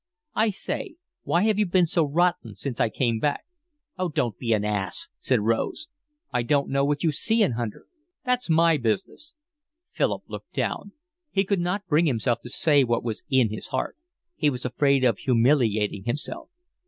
"I say, why have you been so rotten since I came back?" "Oh, don't be an ass," said Rose. "I don't know what you see in Hunter." "That's my business." Philip looked down. He could not bring himself to say what was in his heart. He was afraid of humiliating himself.